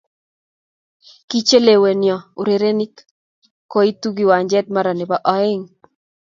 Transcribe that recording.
Kichelewinyo urerenik koitu kiwanjait mara ne bo oeng.